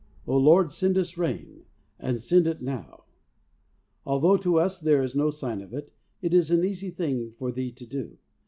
O Lord, send us ram, and send it now / Although to us there is no sign of it, it is an easy thing for Thee to do.